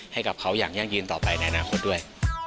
ให้กับเขาอย่างยั่งยืนต่อไปในอนาคตด้วย